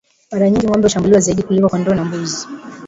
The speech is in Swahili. Mara nyingi ngombe hushambuliwa zaidi kuliko kondoo na mbuzi